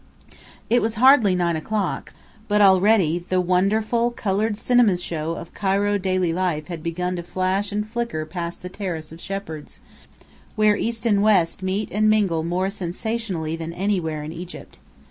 It was hardly nine o'clock, but already the wonderful coloured cinema show of Cairo daily life had begun to flash and flicker past the terrace of Shepheard's, where East and West meet and mingle more sensationally than anywhere in Egypt.